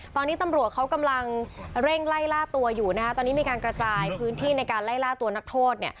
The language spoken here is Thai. ตอนนี้ตำรวจเขากำลังเร่งไล่ล่าตัวอยู่ตอนนี้มีการกระจายพื้นที่ในการไล่ล่าตัวนักโทษ